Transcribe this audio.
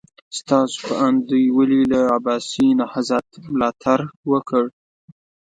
ستاسو په اند دوی ولې له عباسي نهضت ملاتړ وکړ؟